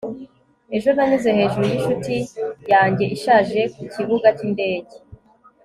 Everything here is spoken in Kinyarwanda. ejo nanyuze hejuru yinshuti yanjye ishaje kukibuga cyindege